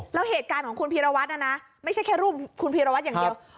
แล้วเหตุการณ์ของคุณพีรวัตรน่ะนะไม่ใช่แค่รูปคุณพีรวัตรอย่างเดียว